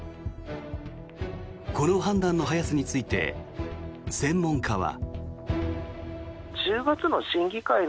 この判断の早さについて専門家は。